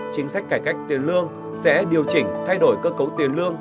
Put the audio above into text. chính sách cải cách tiền lương sẽ điều chỉnh thay đổi cơ cấu tiền lương